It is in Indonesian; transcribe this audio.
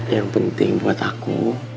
yang penting buat aku